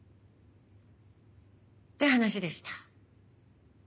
って話でした。